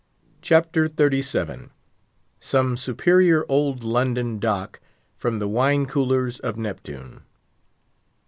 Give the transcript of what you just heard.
CHAPTER XXXVII. SOME SUPERIOR OLD "LONDON DOCK" FROM THE WINE COOLERS OF NEPTUNE.